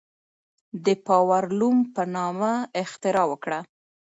د پاور لوم په نامه اختراع وکړه.